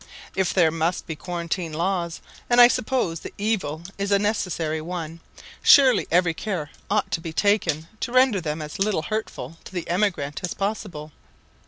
If there must be quarantine laws and I suppose the evil is a necessary one surely every care ought to be taken to render them as little hurtful to the emigrant as possible.